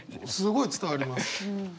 すごい伝わります。